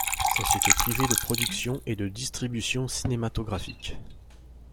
Société privée de production et de distribution cinématographiques.